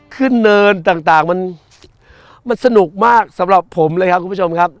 เนินต่างมันสนุกมากสำหรับผมเลยครับคุณผู้ชมครับ